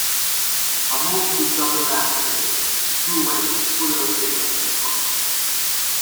A move to Sunderland fell through when Fuller failed a medical.